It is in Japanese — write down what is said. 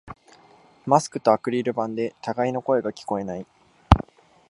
マスクとアクリル板で互いの声が聞こえない